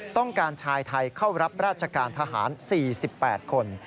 ต้องการชายไทยเข้ารับราชการทหาร๔๘คน